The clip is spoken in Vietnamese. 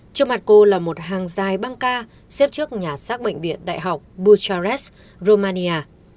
trong mặt cô là một hàng dài băng ca xếp trước nhà sát bệnh viện đại học bucharest romania